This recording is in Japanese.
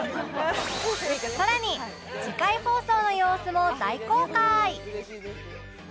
さらに次回放送の様子も大公開！